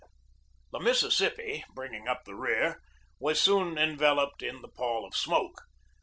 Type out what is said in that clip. The Mississippi, bringing up the rear, was soon enveloped in the pall of smoke.